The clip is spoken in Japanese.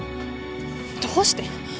どうして？